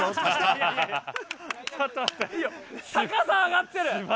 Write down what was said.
高さ上がってる！